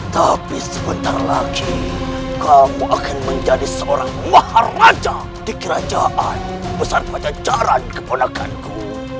tapi sebentar lagi kamu akan menjadi seorang mahar maja di kerajaan besar pajajaran keponakanku